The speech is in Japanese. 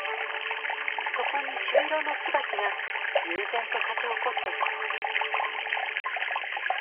そこに朱色のツバキが悠然と咲き誇っています。